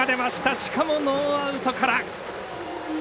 しかもノーアウトから！